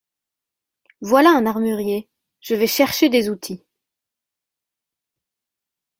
Voilà un armurier, je vais chercher des outils…